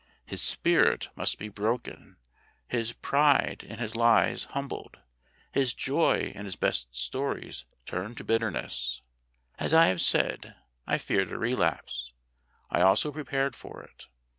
His spirit must be broken; his pride in his lies humbled; his joy in his best stories turned to bitterness. As I have said, I feared a relapse. I also prepared for it.